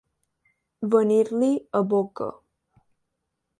Venir-li a boca.